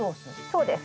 そうです。